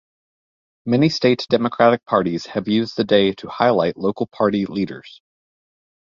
Many state Democratic Parties have used the day to highlight local party leaders.